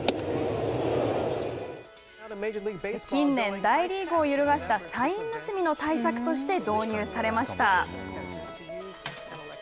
近年、大リーグを揺るがしたサイン盗みの対策として導入されました。